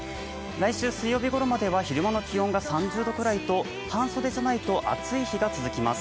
来週水曜日ごろまでは昼間の気温が３０度ぐらいと半袖じゃないと暑い日々が続きます。